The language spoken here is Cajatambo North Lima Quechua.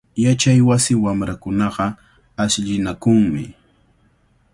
Yachaywasi wamrakunaqa ashllinakunmi.